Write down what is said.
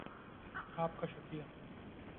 آپ کا شکریہ